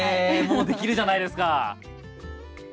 もうできるじゃないですか。